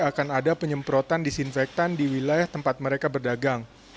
akan ada penyemprotan disinfektan di wilayah tempat mereka berdagang